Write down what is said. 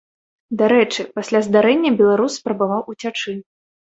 Дарэчы, пасля здарэння беларус спрабаваў уцячы.